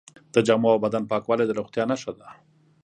د جامو او بدن پاکوالی د روغتیا نښه ده.